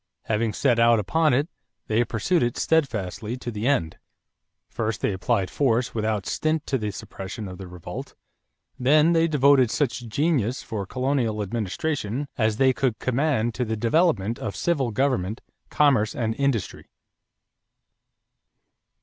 Having set out upon it, they pursued it steadfastly to the end. First, they applied force without stint to the suppression of the revolt. Then they devoted such genius for colonial administration as they could command to the development of civil government, commerce, and industry.